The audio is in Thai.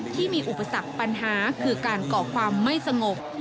ที่มีอุปสรรคปัญหาคือการก่อความไม่สงบ